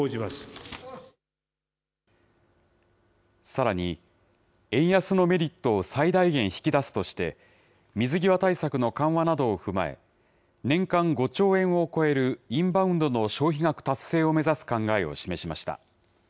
さらに、円安のメリットを最大限引き出すとして、水際対策の緩和などを踏まえ、年間５兆円を超えるインバウンドの消費額達成を目指す考えを示しました。